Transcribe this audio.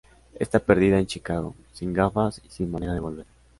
Está perdida en Chicago, sin gafas, y sin manera de volver.